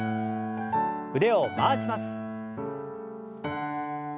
腕を回します。